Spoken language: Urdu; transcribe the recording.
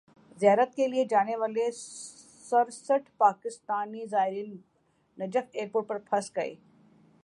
زیارت کیلئے جانے والے سرسٹھ پاکستانی زائرین نجف ایئرپورٹ پر پھنس گئے